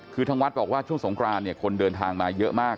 คือทางวัดบอกว่าช่วงสงครานเนี่ยคนเดินทางมาเยอะมาก